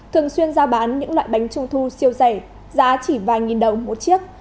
thường xuyên giao bán những loại bánh trung thu siêu rẻ giá chỉ vài nghìn đồng một chiếc